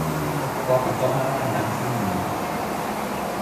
poka tomo la nasin li jaki.